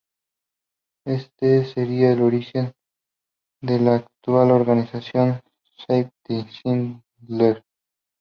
Este sería el origen de la actual organización Save the Children.